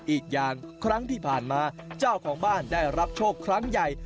อีกอย่างครั้งที่ผ่านมาเจ้าของบ้านได้รับโชคครั้งใหญ่